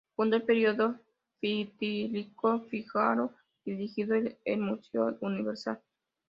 Fundó el periódico satírico "Fígaro" y dirigió "El Museo Universal".